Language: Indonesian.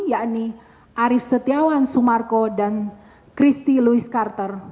yakni arief setiawan sumarko dan kristi lewis carter